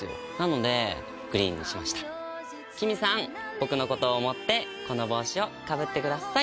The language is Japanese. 僕のことを思ってこの帽子をかぶってください！